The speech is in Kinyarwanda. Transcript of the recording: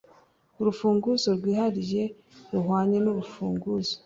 urufunguzo rwihariye ruhwanye n urufunguzo